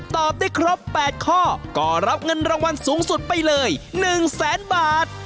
ตอบได้ครบ๘ข้อก็รับเงินรางวัลสูงสุดไปเลย๑แสนบาท